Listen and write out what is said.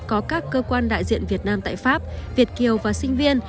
có các cơ quan đại diện việt nam tại pháp việt kiều và sinh viên